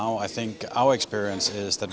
saat ini pengalaman kami adalah